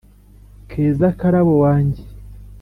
keza, karabo wanjye